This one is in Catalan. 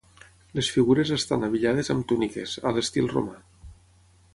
Les figures estan abillades amb túniques, a l'estil romà.